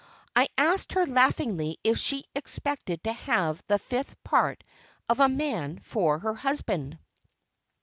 I asked her laughingly if she expected to have the fifth part of a man for her husband?